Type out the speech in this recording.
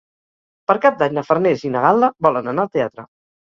Per Cap d'Any na Farners i na Gal·la volen anar al teatre.